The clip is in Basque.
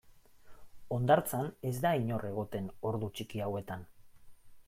Hondartzan ez da inor egoten ordu txiki hauetan.